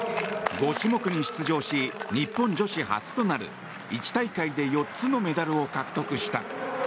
５種目に出場し日本女子初となる１大会で４つのメダルを獲得した。